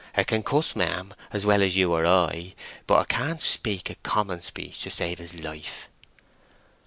'A can cuss, mem, as well as you or I, but 'a can't speak a common speech to save his life."